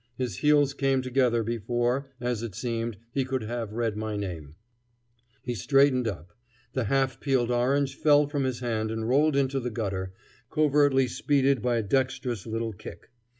His heels came together before, as it seemed, he could have read my name; he straightened up. The half peeled orange fell from his hand and rolled into the gutter, covertly speeded by a dextrous little kick.